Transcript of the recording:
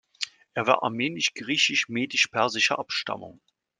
Er war armenisch-griechisch-medisch-persischer Abstammung.